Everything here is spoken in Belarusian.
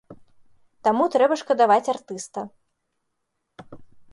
Таму трэба шкадаваць артыста.